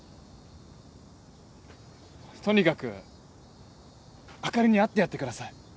とにかくあかりに会ってやってください。